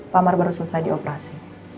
pak amar baru selesai dioperasi